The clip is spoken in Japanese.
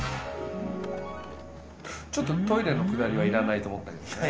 ちょっとトイレのくだりは要らないと思ったけどね。